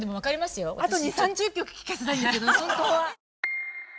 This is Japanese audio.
あと２０３０曲聴かせたいんですけど本当は。